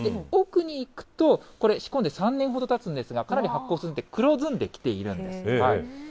奥にいくと、これ、仕込んで３年ほど経つんですが、かなり発酵しまして黒ずんできているんです。